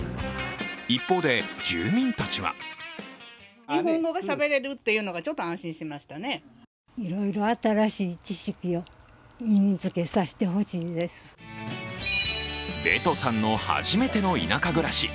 一方で、住民たちはベトさんの初めての田舎暮らし。